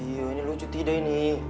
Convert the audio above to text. iya ini lucu tidak ini